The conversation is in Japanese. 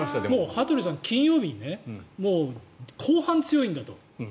羽鳥さん、金曜日に後半に強いんだと。